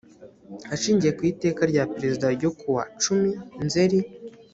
ashingiye ku iteka rya perezida ryo kuwa cumi nzeri